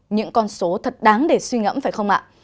những con số thật đáng để suy ngẫm phải không ạ